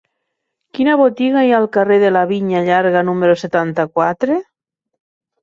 Quina botiga hi ha al carrer de la Vinya Llarga número setanta-quatre?